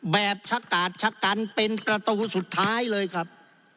แบบชะกาดชะกันเป็นประตูสุดท้ายเลยครับ